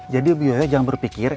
jadi bu yoyo jangan berpikir